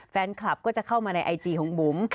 แฟนคลับก็จะเข้ามาในไอจีของบุ๋ม